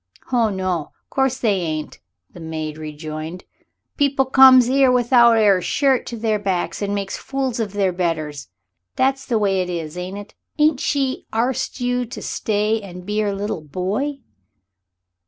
"Ho no. Course they ain't," the maid rejoined. "People comes 'ere without e'er a shirt to their backs and makes fools of their betters. That's the way it is, ain't it? Ain't she arst you to stay and be 'er little boy?"